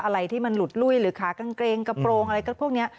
อะไรที่มันหลุดลุ้ยหรือขากางเกงกระโปรงอะไรพวกนี้